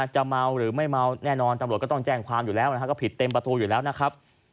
จะเมาหรือไม่เมาแน่นอนตำรวจก็ต้องแจ้งความอยู่แล้วนะครับก็ผิดเต็มประตูอยู่แล้วนะครับ